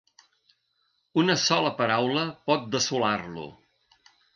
Una sola paraula pot dessolar-lo